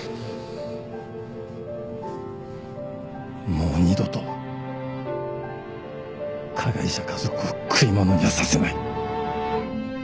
もう二度と加害者家族を食い物にはさせない。